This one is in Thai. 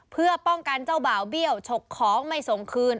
เพื่อป้องกันเจ้าบ่าวเบี้ยวฉกของไม่ส่งคืน